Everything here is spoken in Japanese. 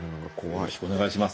よろしくお願いします。